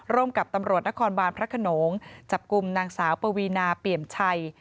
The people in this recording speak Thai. กับตำรวจนครบานพระขนงจับกลุ่มนางสาวปวีนาเปี่ยมชัย